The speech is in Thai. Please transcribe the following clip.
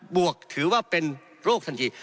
บวกถือว่าเป็นโรคทันที